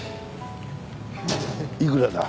いくらだ？